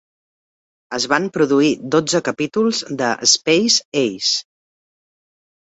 Es van produir dotze capítols de "Space Ace".